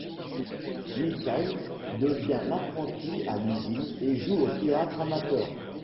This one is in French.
Mikhaïl devient l'apprenti à l'usine et joue au théâtre amateur.